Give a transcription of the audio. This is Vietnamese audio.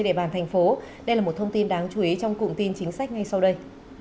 đây là một thông tin đáng chú ý trong cụm tin chính sách ngay sau đây